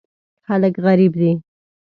خلک غریب دي.